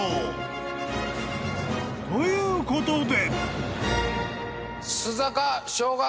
［ということで］